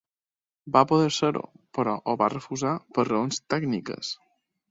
Va poder ser-ho, però ho va refusar per raons tècniques.